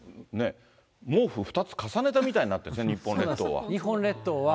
毛布２つ重ねたみたいになってるんですね、日本列島は。